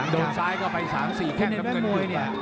โดนซ้ายก็ไปสามสี่แค่น้ำเงินมวยเนี่ย